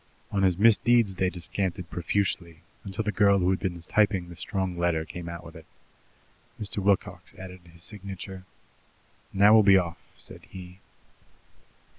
On his misdeeds they descanted profusely, until the girl who had been typing the strong letter came out with it. Mr. Wilcox added his signature. "Now we'll be off," said he.